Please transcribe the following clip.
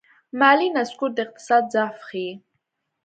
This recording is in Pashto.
مالي نسکور د اقتصاد ضعف ښيي.